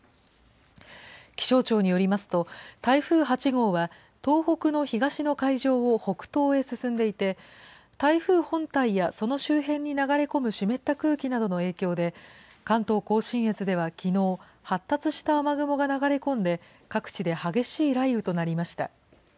気象庁によりますと、台風８号は、東北の東の海上を北東へ進んでいて、台風本体やその周辺に流れ込む湿った空気などの影響で、関東甲信越ではきのう、発達した雨雲が流れ込んで、各地で激しい雷雨となりました。